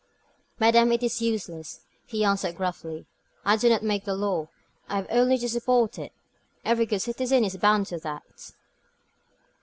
"Madame, it is useless," he answered gruffly. "I do not make the law; I have only to support it. Every good citizen is bound to that."